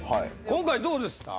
今回どうですか？